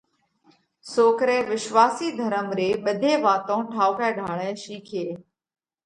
سوڪرئہ وِشواسِي ڌرم ري ٻڌي واتون ٺائُوڪئہ ڍاۯئہ شِيکي